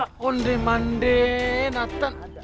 kondi mandi nathan